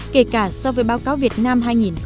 kể cả so với báo cáo việt nam hai nghìn ba mươi năm